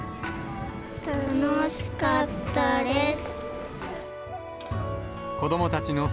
楽しかったです。